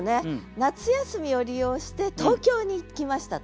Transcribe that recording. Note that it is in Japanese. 夏休みを利用して東京に行きましたと。